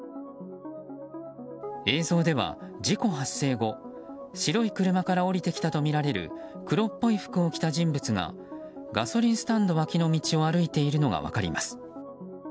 映像では事故発生後白い車から降りてきたとみられる黒っぽい服を着た人物がガソリンスタンド脇の道を歩いているのが分かります。